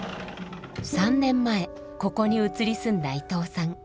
３年前ここに移り住んだ伊藤さん。